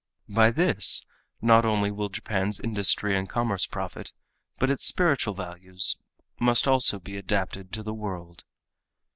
By this not only will Japan's industry and commerce profit, but its spiritual values must also be adapted to the world.